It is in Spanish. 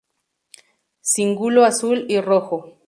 Cíngulo azul y rojo.